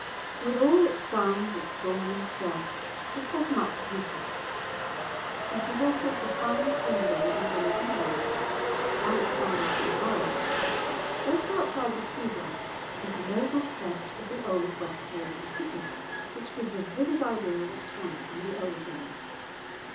With all its signs of storm and stress it has much beauty, and possesses the finest window in all England, one of the finest in the world. Just outside the Cathedral is a noble stretch of the old West Wall of the city, which gives a vivid idea of its strength in the old days.